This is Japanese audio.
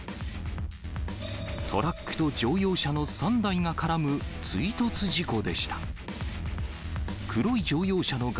トラックと乗用車の３台が絡む追突事故でした。